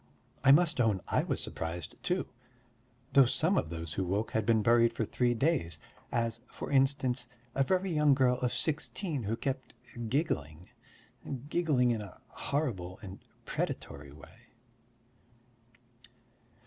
I must own I was surprised too; though some of those who woke had been buried for three days, as, for instance, a very young girl of sixteen who kept giggling ... giggling in a horrible and predatory way.